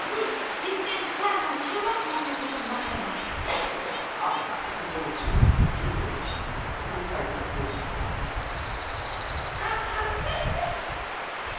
岐阜県高山の中学校ということになったのです桂木先生！